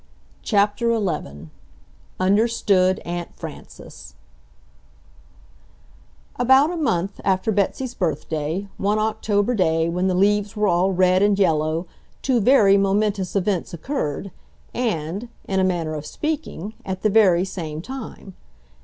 CHAPTER XI "UNDERSTOOD AUNT FRANCES" About a month, after Betsy's birthday, one October day when the leaves were all red and yellow, two very momentous events occurred, and, in a manner of speaking, at the very same time.